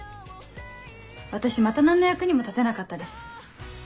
私また何の役にも立てなかったです。